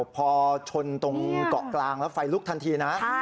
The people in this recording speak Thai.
พอชนตรงเกาะกลางแล้วไฟลุกทันทีนะ